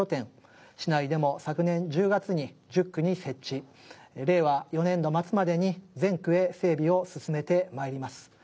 市内でも昨年１０月に１０区に設置令和４年度末までに全区へ整備を進めてまいります。